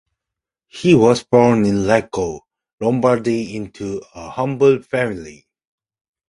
He was born in Lecco, Lombardy into a humble family.